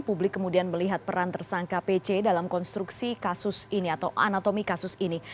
publik kemudian melihat peran tersangka pc dalam konstruksi kasus ini atau anatomi kasus ini